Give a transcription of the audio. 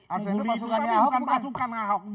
ahok itu bukan pasukan ahok